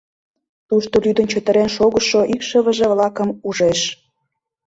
Тушто лӱдын чытырен шогышо икшывыже-влакым ужеш.